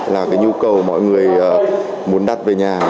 là cái nhu cầu mọi người muốn đặt về nhà